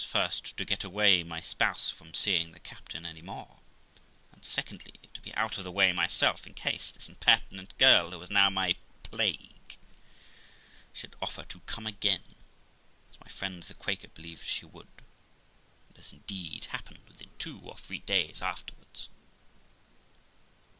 first, to get away my spouse from seeing the captain any more; and, secondly, to be out of the way myself, in case this impertinent girl, who was now my plague, should offer to come again, as my friend the Quaker believed she would, and as indeed happened within two or three days afterwards.